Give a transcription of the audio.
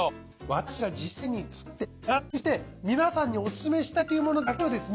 私が実際に使って納得して皆さんにオススメしたいっていうものだけをですね